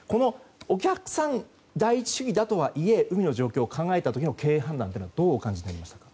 お客さん第一主義だとは言え海の状況を考えた時の経営判断というのはどう感じましたか？